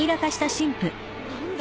何だ？